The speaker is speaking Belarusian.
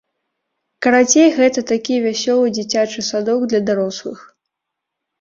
Карацей, гэта такі вясёлы дзіцячы садок для дарослых.